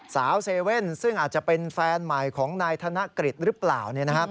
เซเว่นซึ่งอาจจะเป็นแฟนใหม่ของนายธนกฤษหรือเปล่า